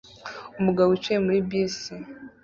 Umugabo wicaye muri bisi